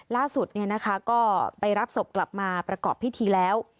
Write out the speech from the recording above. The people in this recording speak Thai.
ล่าสุดก็ไปรับศพกลับมาประกอบพิธีแล้ว